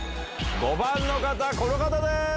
５番の方この方です！